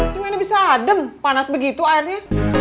gimana bisa adem panas begitu airnya